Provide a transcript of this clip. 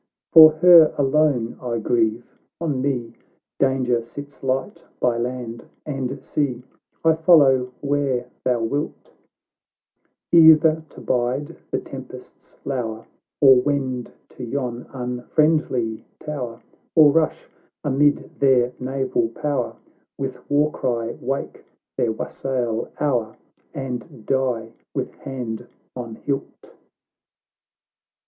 For her alone I grieve — on me Danger sits light by land and sea, I follow where thou wilt; Either to bide the tempest's lour, Or wend to yon unfriendly tower, Or rush amid their naval power, "With war cry wake their wassail hour, And die with hand on hilt."